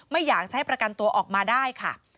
ไม่อยากใช้ประกันตัวออกมาได้ค่ะ